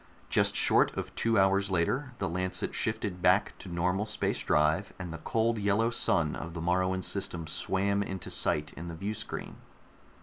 Just short of two hours later, the Lancet shifted back to normal space drive, and the cold yellow sun of the Moruan system swam into sight in the viewscreen.